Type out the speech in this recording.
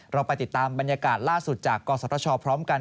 เราไปติดตามบรรยากาศล่าสุดจากกศชพร้อมกัน